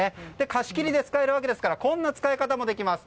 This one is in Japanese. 貸し切りで使えますからこんな使い方もできます。